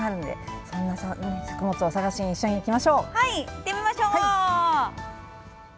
行ってみましょう！